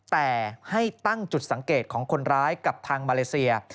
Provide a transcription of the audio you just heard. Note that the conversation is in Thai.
แต่ให้ตั้งจุดสังเกตของคนร้ายกับทางมาเลเซีย